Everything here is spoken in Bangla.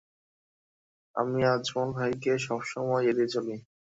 আমি আজমল ভাইকে সব সময় এড়িয়ে চলি।